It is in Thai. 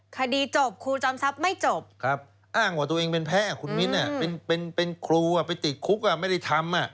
คดีจบครูจอมทรัพย์ไม่จบอ้างว่าตัวเองเป็นแพ้คุณมิ้นเป็นครูไปติดคุกไม่ได้ทำ